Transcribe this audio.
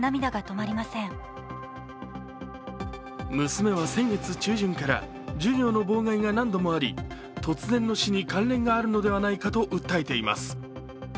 娘は先月中旬から授業の妨害が何度もあり突然の死に関連があるのではないかと訴えています。